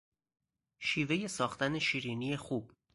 شیوهی ساختن شیرینی خوب